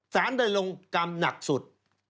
สารได้ลงกรรมหนักสุด